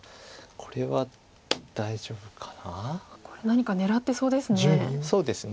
これ何か狙ってそうですね。